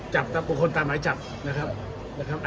แล้วมีคนใหญ่กว่าหมอบัตรรอนะครับ